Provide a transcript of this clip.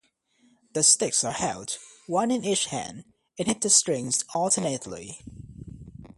The sticks are held, one in each hand, and hit the strings alternately.